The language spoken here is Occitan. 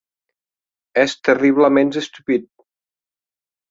Ès terriblaments estupid.